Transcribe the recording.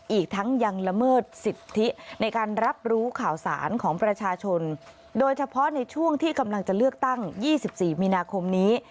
อีกทั้งยังละเมิดสิทธิในการรับรู้ข่าวสารของประชาชนโดยเฉพาะในช่วงที่กำลังจะเลือกตั้ง๒๔มีนาคมนี้